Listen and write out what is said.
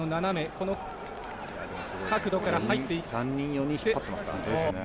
この角度から入っていって。